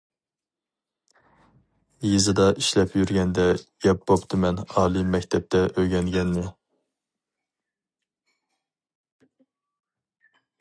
يېزىدا ئىشلەپ يۈرگەندە يەپ بوپتىمەن ئالىي مەكتەپتە ئۆگەنگەننى.